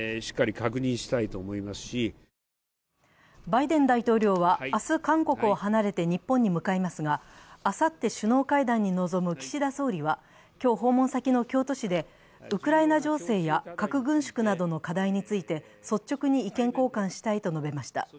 バイデン大統領は明日、韓国を離れて日本に向かいますが、あさって首脳会談に臨む岸田総理は、今日、訪問先の京都市でウクライナ情勢や核軍縮などの課題について率直に意見交換したいと述べました。